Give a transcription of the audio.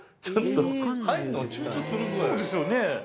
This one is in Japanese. そうですよね。